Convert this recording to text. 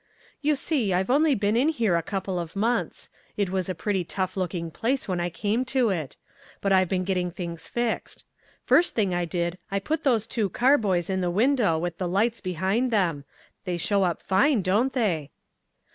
"You see I've only been in here a couple of months. It was a pretty tough looking place when I came to it. But I've been getting things fixed. First thing I did I put those two carboys in the window with the lights behind them. They show up fine, don't they?"